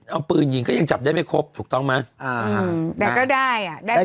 เอาปืนยิงก็ยังจับได้ไม่ครบถูกต้องไหมอ่าแต่ก็ได้อ่ะได้